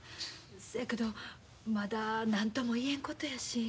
そやけどまだ何とも言えんことやし。